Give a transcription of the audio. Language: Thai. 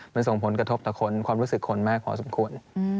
มันส่งผลกระทบต่อคนความรู้สึกคนมากพอสมควร